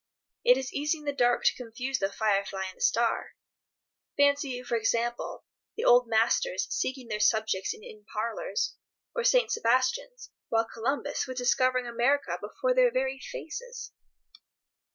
It is easy in the dark to confuse the fire fly and the star. Fancy, for example, the Old Masters seeking their subjects in inn parlours, or St. Sebastians, while Columbus was discovering America before their very faces.